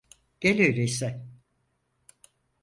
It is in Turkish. Gel öyleyse.